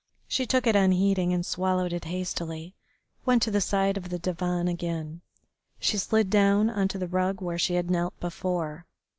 She took it unheeding, and, swallowing it hastily, went to the side of the divan again. She slid down on to the rug where she had knelt before.